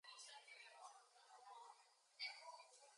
There are no Hispanics or Latinos of any race.